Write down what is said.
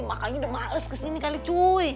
makanya sudah malas kesini kali cuy